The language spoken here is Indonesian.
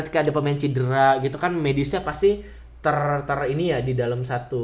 ketika ada pemain cedera gitu kan medisnya pasti ter ini ya di dalam satu